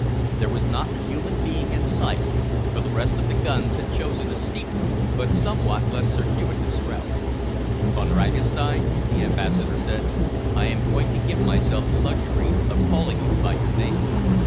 There was not a human being in sight, for the rest of the guns had chosen a steeper but somewhat less circuitous route. "Von Ragastein," the Ambassador said, "I am going to give myself the luxury of calling you by your name.